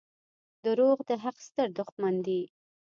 • دروغ د حق ستر دښمن دي.